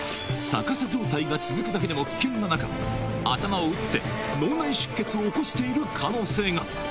逆さ状態が続くだけでも危険な中、頭を打って脳内出血を起こしている可能性が。